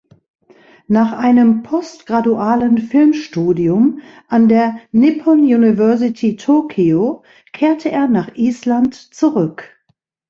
Nach einem postgradualen Filmstudium an der "Nippon University Tokio" kehrte er nach Island zurück.